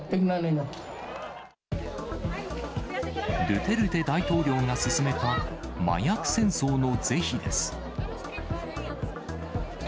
ドゥテルテ大統領が進めた、麻薬戦争の是非です。